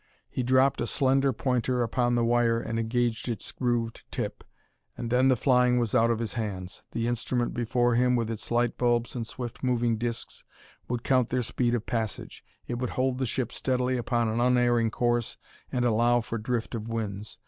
He dropped a slender pointer upon the wire and engaged its grooved tip, and then the flying was out of his hands. The instrument before him, with its light bulbs and swift moving discs, would count their speed of passage; it would hold the ship steadily upon an unerring course and allow for drift of winds.